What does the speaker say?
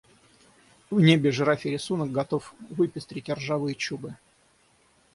В небе жирафий рисунок готов выпестрить ржавые чубы.